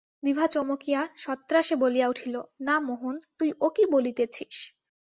বিভা চমকিয়া সত্রাসে বলিয়া উঠিল, না মোহন, তুই ও কী বলিতেছিস।